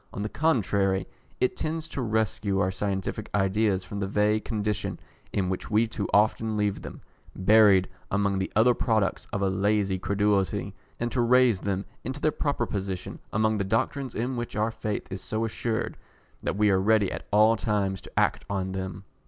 On the contrary, it tends to rescue our scientific ideas from that vague condition in which we too often leave them, buried among the other products of a lazy credulity, and to raise them into their proper position among the doctrines in which our faith is so assured, that we are ready at all times to act on them.